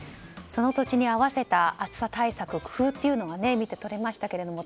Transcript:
その土地に合わせた暑さ対策、工夫というのが見て取れましたけれども。